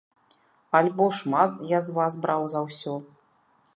Альбо шмат я з вас браў за ўсё?